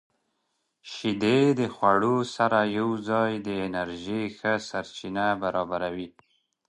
• شیدې د خوړو سره یوځای د انرژۍ ښه سرچینه برابروي.